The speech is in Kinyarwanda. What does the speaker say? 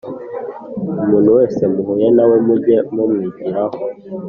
umuntu wese muhuye na we muge mumwigiraho,